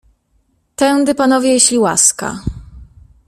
"Tędy, panowie, jeśli łaska."